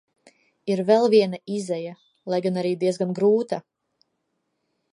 Ir vēl viena izeja, lai gan arī diezgan grūta.